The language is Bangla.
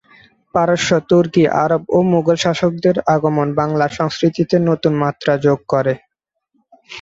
পারস্য, তুর্কি, আরব ও মুঘল শাসকদের আগমন বাংলার সংস্কৃতিতে নতুন মাত্রা যোগ করে।